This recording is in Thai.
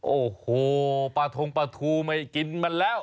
โอ้โหปลาทงปลาทูไม่กินมันแล้ว